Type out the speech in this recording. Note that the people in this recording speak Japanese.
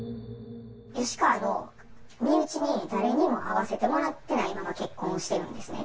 吉川の身内に、誰にも会わせてもらってないまま結婚してるんですね。